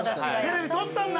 テレビ撮ったんだ。